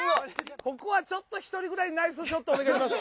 ここはちょっと１人くらいナイスショットお願いします。